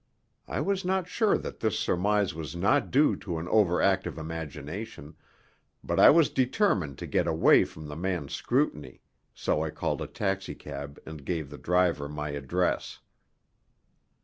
I was not sure that this surmise was not due to an over active imagination, but I was determined to get away from the man's scrutiny, so I called a taxicab and gave the driver my address.